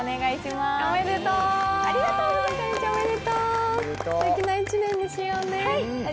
すてきな一年にしようね。